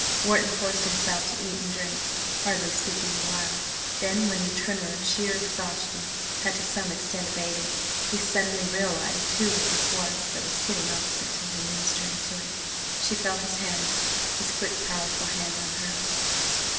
Wharton forced himself to eat and drink, hardly speaking the while. Then, when the tremor of sheer exhaustion had to some extent abated, he suddenly realised who this was that was sitting opposite to him ministering to him. She felt his hand his quick powerful hand on hers.